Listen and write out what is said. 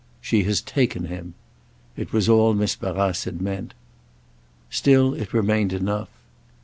"She has taken him." It was all Miss Barrace had meant. Still it remained enough.